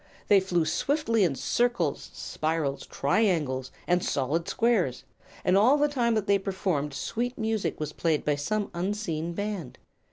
They flew swiftly in circles, spirals, triangles, and solid squares, and all the time that they performed sweet music was played by some unseen band.